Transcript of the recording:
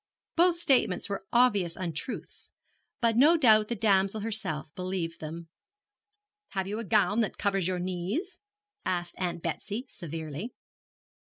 Both statements were obvious untruths, but no doubt the damsel herself believed them. 'Have you a gown that covers your knees?' asked Aunt Betsy, severely.